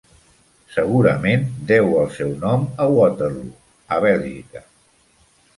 Segurament deu el seu nom a Waterloo, a Bèlgica.